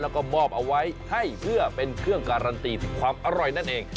แล้วก็มอบเอาไว้ให้เพื่อเป็นเครื่องการันตีถึงความอร่อยนั่นเอง